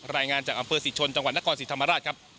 รายงานจากอำเภอศรีชนจังหวัดนครศรีธรรมราชครับ